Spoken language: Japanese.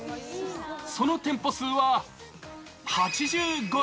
その店舗数は８０超え。